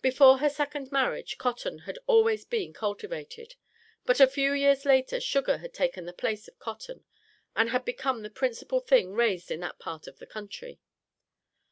Before her second marriage cotton had always been cultivated, but a few years later sugar had taken the place of cotton, and had become the principal thing raised in that part of the country.